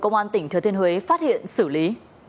công an tỉnh thừa thiên huế phát hiện xử lý